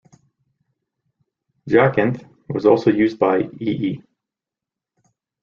Jacinth was also used by e.e.